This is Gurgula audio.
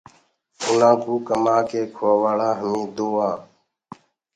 اُنآ ڪوٚ ڪمآنٚ ڪي کوٚوآوآݪآ هميٚنٚ دو آنٚ۔